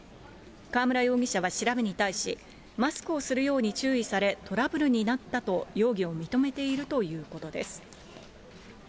河村容疑者は調べに対し、マスクをするように注意され、トラブルになったと、容疑を認めているということです。